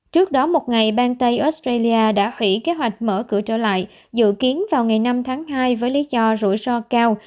trước đó một ngày bang tây australia đã hủy kế hoạch mở cửa trở lại dự kiến vào ngày năm tháng hai với lý do rủi ro cao